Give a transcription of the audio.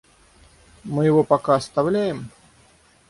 Мы его пока оставляем?